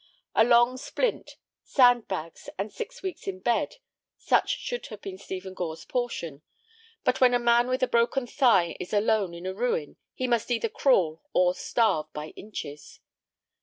A long splint, sand bags, and six weeks in bed—such should have been Stephen Gore's portion; but when a man with a broken thigh is alone in a ruin he must either crawl or starve by inches.